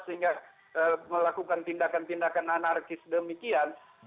sehingga melakukan tindakan tindakan anarkis demikian